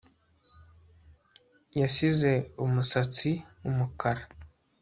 Yasize umusatsi umukara